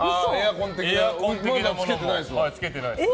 エアコン的なものもつけてないです。